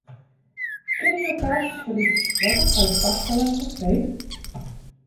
Kinne jo kaartsjes foar ús besprekke foar de foarstelling fan freed?